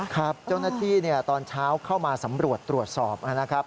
ครับเจ้าหน้าที่ตอนเช้าเข้ามาสำรวจตรวจสอบนะครับ